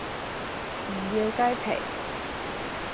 唔要雞皮